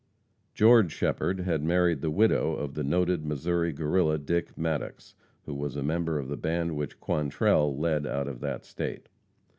Geo. Shepherd had married the widow of the noted Missouri Guerrilla, Dick Maddox, who was a member of the band which Quantrell led out of that State.